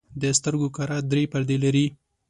د سترګو کره درې پردې لري.